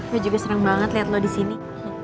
gue juga seneng banget liat lo di sini